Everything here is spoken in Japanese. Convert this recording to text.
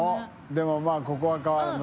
でもまぁここは変わらず。